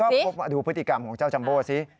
ดูสิดูพฤติกรรมของเจ้าจำโบ้สิ